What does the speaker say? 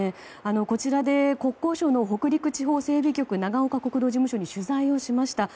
こちらで国交省の北陸地方整備局長岡国土事務所に取材しました。